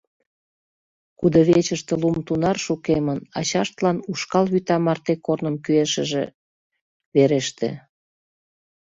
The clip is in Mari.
Кудывечыште лум тунар шукемын, ачаштлан ушкал вӱта марте корным кӱэшыже вереште.